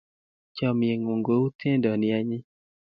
Chamiengung ko u tiendo ne anyiny